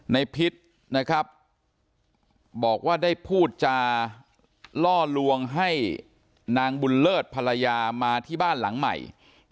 พิษนะครับบอกว่าได้พูดจาล่อลวงให้นางบุญเลิศภรรยามาที่บ้านหลังใหม่